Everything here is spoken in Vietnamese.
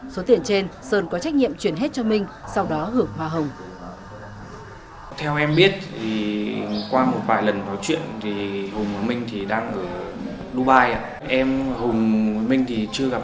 số tiền trên sơn có trách nhiệm chuyển hết cho minh sau đó hưởng hoa hồng